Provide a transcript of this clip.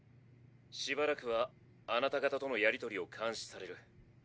しばらくはあなた方とのやり取りを監視される。